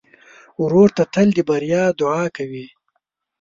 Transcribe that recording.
ورور ته تل د بریا دعا کوې.